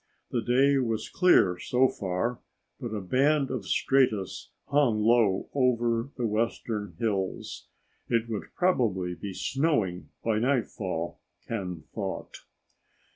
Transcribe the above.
The day was clear so far, but a band of stratus hung low over the western hills. It would probably be snowing by nightfall, Ken thought.